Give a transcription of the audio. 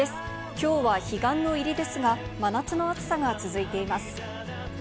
きょうは彼岸の入りですが、真夏の暑さが続いています。